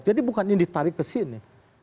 jadi bukan ini ditarik ke sini